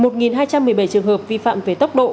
một hai trăm một mươi bảy trường hợp vi phạm về tốc độ